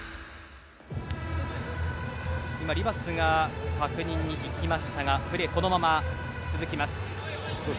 今、リバスが確認に行きましたがこのまま続きます。